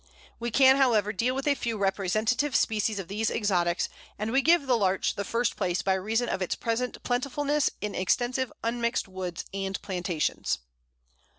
We can, however, deal with a few representative species of these exotics, and we give the Larch the first place by reason of its present plentifulness in extensive unmixed woods and plantations.